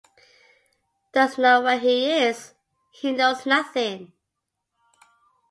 Doesn't know where he is, he knows nothing.